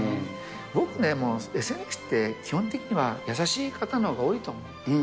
僕ね、ＳＮＳって基本的には、優しい方のほうが多いと思う。